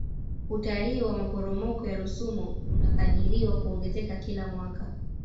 utalii wa maporomoko ya rusumo unakadiriwa kuongezeka kila mwaka